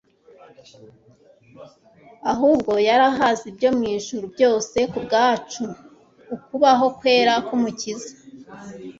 ahubgo yarahaz ibyo mw ijuru byose ku bgacu Ukubaho kwera kUmukiza